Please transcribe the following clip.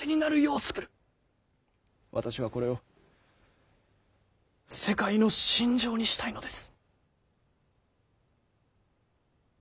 私はこれを世界の信条にしたいのです。